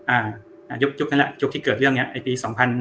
อ่ายุคนั้นแหละยุคที่เกิดเรื่องเนี้ยไอ้ปี๒๕๕๙